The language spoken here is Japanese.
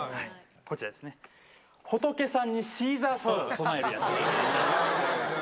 こちらですね、仏さんにシーザーサラダ供えるやつ。